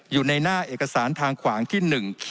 อยู่ในหน้าเอกสารทางขวางที่หนึ่ง